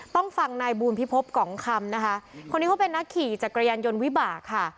ต้องฟังนายบูลพิพบกองคำนะคะคนนี้เขาเป็นนักขี่จักรยานยนต์วิบากค่ะ